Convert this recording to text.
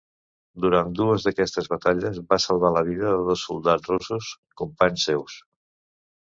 Durant dues d'aquestes batalles, va salvar la vida de dos soldats russos companys seus.